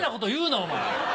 お前。